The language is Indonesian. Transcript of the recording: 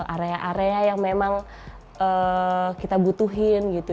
area area yang memang kita butuhin gitu